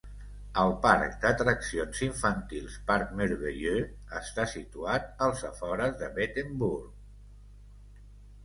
El parc d'atraccions infantils Parc Merveilleux està situat als afores de Bettembourg.